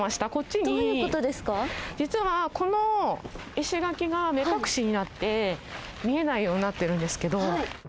萩原さん：実はこの石垣が目隠しになって見えないようになってるんですけど。